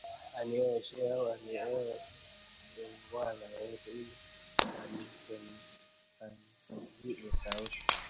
anione Shekhe au anione Muungwana yeyote ili akanipazie sauti